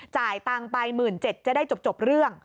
จ่ายตังค์ไป๑๗๐๐จะได้จบเรื่อง